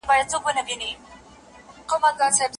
يوسف سورت په: {ا. ل. ر} شروع سوی دی.